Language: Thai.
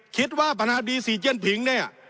คิดว่าปัญหาบีซีเจียนผิงเนี่ย